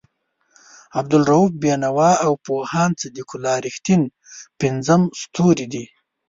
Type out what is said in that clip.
عبالرؤف بېنوا او پوهاند صدیق الله رښتین پنځم ستوری دی.